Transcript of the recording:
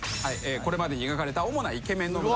これまで描かれた主なイケメン信長。